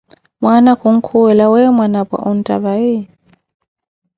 Mwaana kunkhuwela: Weyo Mwanapwa, oneettha vai?